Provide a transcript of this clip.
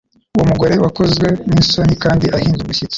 uwo mugore wakozwe n'isoni kandi ahinda umushyitsi,